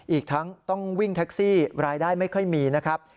อีกทั้งต้องวิ่งแท็กซี่รายได้ไม่ค่อยมีนะครับ